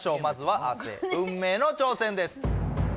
まずは亜生運命の挑戦です